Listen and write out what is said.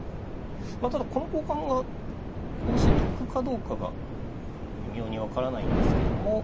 ただこの交換がこうして得かどうかが微妙に分からないんですけども。